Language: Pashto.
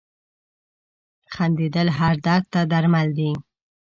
• خندېدل هر درد ته درمل دي.